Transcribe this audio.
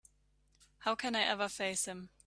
How can I ever face him?